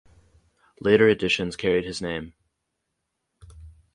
Later editions carried his name.